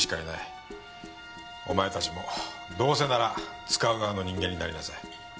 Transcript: お前たちもどうせなら使う側の人間になりなさい。